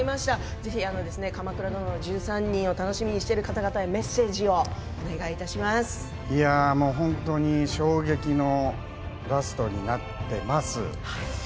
ぜひ「鎌倉殿の１３人」を楽しみにしている方々へ本当に衝撃のラストになっています。